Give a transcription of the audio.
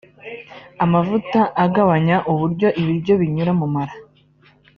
Amavuta agabanya uburyo ibiryo binyura mu mara